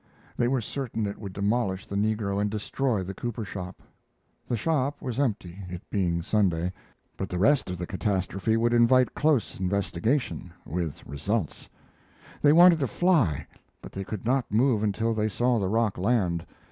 They were certain it would demolish the negro and destroy the cooper shop. The shop was empty, it being Sunday, but the rest of the catastrophe would invite close investigation, with results. They wanted to fly, but they could not move until they saw the rock land.